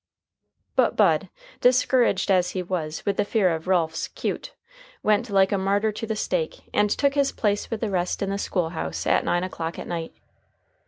But Bud, discouraged as he was with the fear of Ralph's "cute," went like a martyr to the stake and took his place with the rest in the school house at nine o'clock at night.